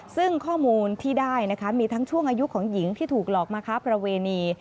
ซึ่งข้อมูลที่ได้นะคะมีทั้งช่วงอายุของหญิงที่ถูกหลอกมาค้าประเวณี